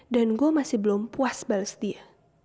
dan gue masih belum puas bales dia